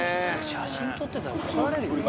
写真撮ってたら怒られるよ。